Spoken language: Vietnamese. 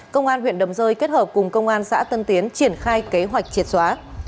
công an huyện đầm rơi kết hợp cùng công an xã tân tiến triển khai kế hoạch triệt xóa